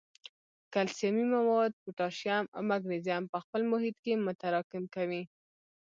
کلسیمي مواد، پوټاشیم او مګنیزیم په خپل محیط کې متراکم کوي.